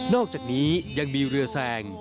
อกจากนี้ยังมีเรือแซง